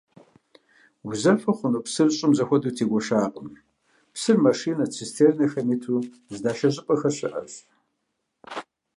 Узэфэ хъуну псыр щӀым зэхуэдэу тегуэшакъым, псыр машинэ-цистернэхэм иту здашэ щӀыпӀэхэр щыӀэщ.